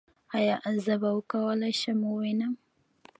ایا زه به وکولی شم ووینم؟